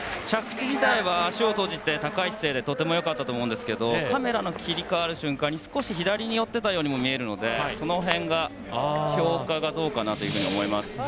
着地自体は足を閉じて高い姿勢でとても良かったと思うんですがカメラの切り替わり瞬間に少し左に寄っていたように見えたのでその辺が評価がどうかなと思います。